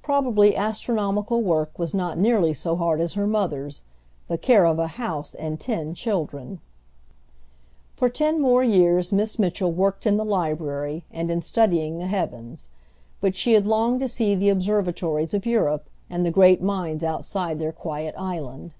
Probably astronomical work was not nearly so hard as her mother's, the care of a house and ten children! For ten years more Miss Mitchell worked in the library, and in studying the heavens. But she had longed to see the observatories of Europe, and the great minds outside their quiet island.